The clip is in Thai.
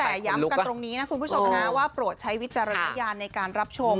แต่ย้ำกันตรงนี้นะคุณผู้ชมนะว่าโปรดใช้วิจารณญาณในการรับชม